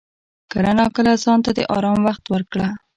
کله ناکله ځان ته د آرام وخت ورکړه.